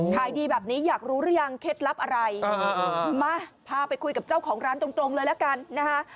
ขายดีแบบนี้อยากรู้หรือยังเคล็ดลับอะไรมาพาไปคุยกับเจ้าของร้านตรงเลยละกันนะคะ